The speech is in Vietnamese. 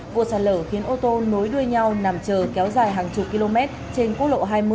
vụ sạt lở khiến ô tô nối đuôi nhau nằm chờ kéo dài hàng chục km trên quốc lộ hai mươi